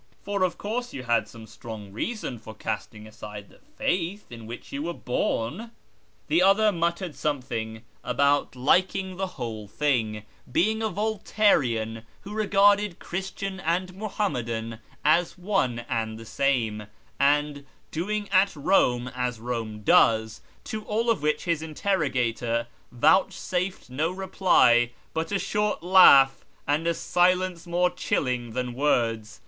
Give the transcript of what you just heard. Eor of course you had some strong reason for casting aside the faith in which you were born." The other muttered something about " liking the whole J SHIRAz 271 thing," "being a Voltairian who regarded Christian and Muhammadan as one and the same," and " doing at Eome as Eome does," — to all of which his interrogator vouchsafed no reply but a short laugh and a silence more chilling than words.